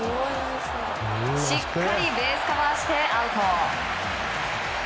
しっかりベースカバーしてアウト。